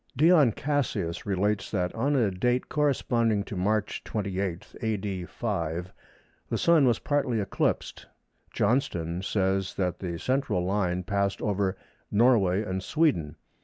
Dion Cassius relates that on a date corresponding to March 28, A.D. 5, the Sun was partly eclipsed. Johnston says that the central line passed over Norway and Sweden.